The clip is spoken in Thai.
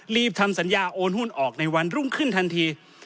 ทำสัญญาโอนหุ้นออกในวันรุ่งขึ้นทันที